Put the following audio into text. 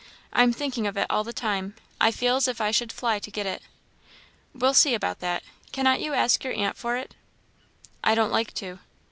I am thinking of it all the time; I feel as if I should fly to get it!" "We'll see about that. Cannot you ask your aunt for it?" "I don't like to."